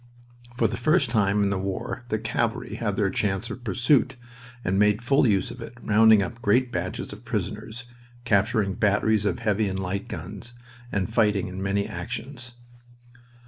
For the first time in the war the cavalry had their chance of pursuit, and made full use of it, rounding up great batches of prisoners, capturing batteries of heavy and light guns, and fighting in many actions.